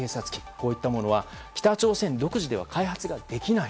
こういったものは北朝鮮独自では開発ができない。